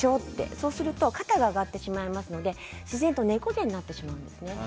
そうすると肩が上がってしまうので自然と猫背になってしまいます。